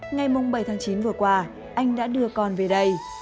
ngày bảy tháng chín vừa qua anh đã đưa con về đây